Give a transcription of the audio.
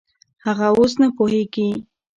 هغه اوس نه پوهېږي.